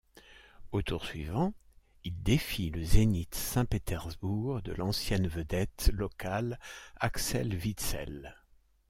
Au tour suivant, il défie le Zénith Saint-Pétersbourg de l'ancienne vedette locale Axel Witsel.